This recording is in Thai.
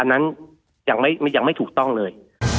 นั้นยังไม่ถูกต้องเลย